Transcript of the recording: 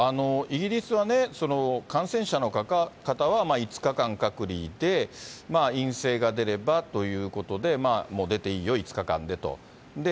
イギリスはね、感染者の方は５日間隔離で、陰性が出ればということで、出ていいよ、５日間でと。